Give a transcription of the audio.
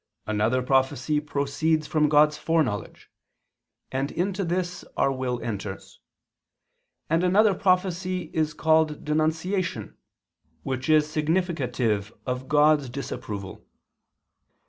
Another prophecy proceeds from God's foreknowledge: and into this our will enters. And another prophecy is called denunciation, which is significative of God's disapproval."